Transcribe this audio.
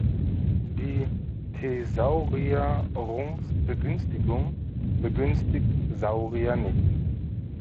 Die Thesaurierungsbegünstigung begünstigt Saurier nicht.